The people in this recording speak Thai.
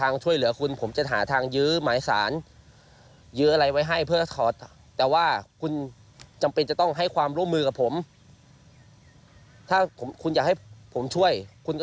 เนี่ยค่ะ